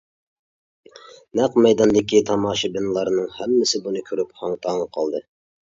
نەق مەيداندىكى تاماشىبىنلارنىڭ ھەممىسى بۇنى كۆرۈپ ھاڭ-تاڭ قالدى.